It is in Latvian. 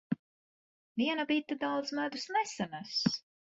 Viena bite daudz medus nesanes.